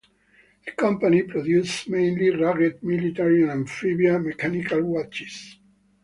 The company produces mainly rugged military and amfibia mechanical watches.